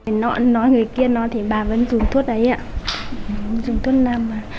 nói người kia thì bà vẫn dùng thuốc đấy ạ